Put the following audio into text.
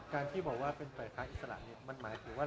ที่บอกว่าเป็นฝ่ายค้าอิสระนี้มันหมายถึงว่า